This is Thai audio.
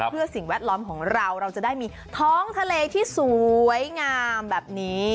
เพื่อสิ่งแวดล้อมของเราเราจะได้มีท้องทะเลที่สวยงามแบบนี้